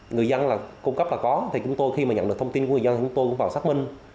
người dân cung cấp là có khi nhận được thông tin của người dân thì tôi cũng vào xác minh